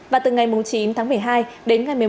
và từ ngày chín một mươi hai đến ngày một mươi một một mươi hai